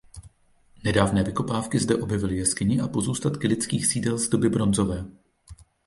Nedávné vykopávky zde objevily jeskyni a pozůstatky lidských sídel z doby bronzové.